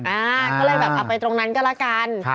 อ่าก็เลยแบบเอาไปตรงนั้นก็แล้วกัน